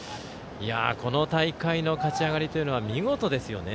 この大会の勝ち上がりというのは見事ですよね。